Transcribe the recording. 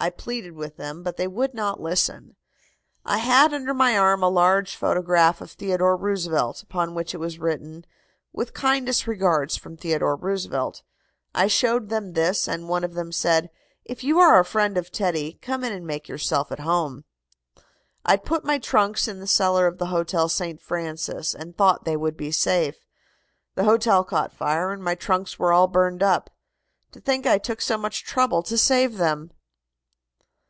I pleaded with them, but they would not listen. I had under my arm a large photograph of Theodore Roosevelt, upon which was written: 'With kindest regards from Theodore Roosevelt.' I showed them this, and one of them said: 'If you are a friend of Teddy, come in and make yourself at home.' "I put my trunks in the cellar of the Hotel St. Francis and thought they would be safe. The hotel caught fire, and my trunks were all burned up. To think I took so much trouble to save them!"